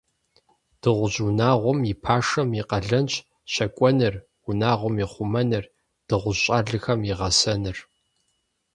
Дыгъужь унагъуэм и пашэм и къалэнщ щакӏуэныр, унагъуэм и хъумэныр, дыгъужь щӏалэхэм и гъэсэныр.